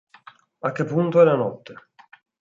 A che punto è la notte